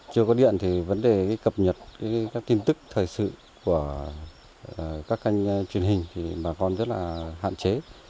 chưa có điện thì vấn đề cập nhật các tin tức thời sự của các kênh truyền hình thì bà con rất là hạn chế